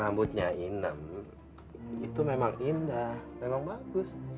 rambutnya inem itu memang indah memang bagus